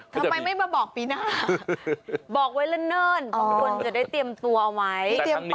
ทำไมไม่มาบอกปีหน้าบอกไว้เลิ่นบางคนจะได้เตรียมตัวเอาไว้